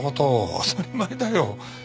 当たり前だよ。